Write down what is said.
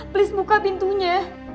please buka pintunya